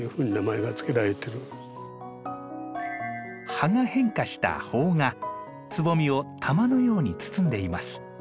葉が変化した苞がつぼみを玉のように包んでいます。